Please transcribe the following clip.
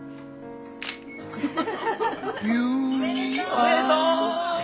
おめでとう！